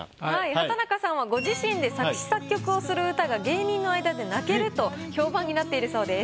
畠中さんはご自身で作詞作曲をする歌が芸人の間で泣けると評判になっているそうです。